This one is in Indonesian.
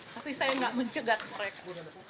tapi saya nggak mencegat mereka